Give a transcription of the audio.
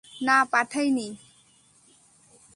না, পাঠাই নি।